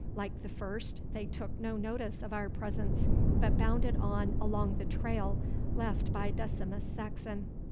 Like the first, they took no notice of our presence, but bounded on along the trail left by Decimus Saxon.